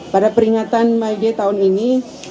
pada peringatan may day tahun ini